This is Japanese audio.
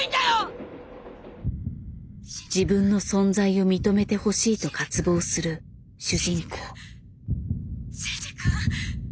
自分の存在を認めてほしいと渇望する主人公。